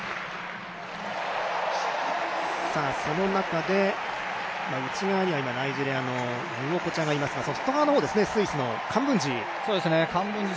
その中で内側にはナイジェリアのヌウォコチャがいますが外側、スイスのカンブンジ。